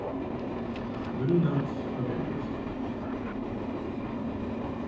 LITTLE NOTES OF INTEREST.